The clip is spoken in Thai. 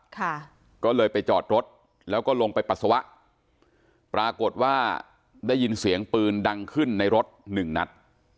ค่ะก็เลยไปจอดรถแล้วก็ลงไปปัสสาวะปรากฏว่าได้ยินเสียงปืนดังขึ้นในรถหนึ่งนัด